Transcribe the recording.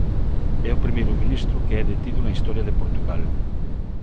É o primeiro ministro que é detido na historia de Portugal.